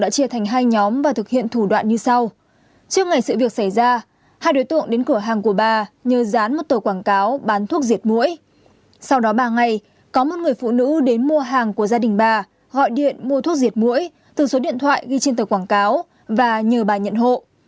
sau đó ba ngày có một người phụ nữ đến mua hàng của gia đình bà gọi điện mua thuốc diệt mũi từ số điện thoại ghi trên tờ quảng cáo và nhờ bà nhận hộ